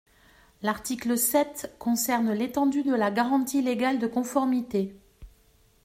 L’article sept concerne l’étendue de la garantie légale de conformité.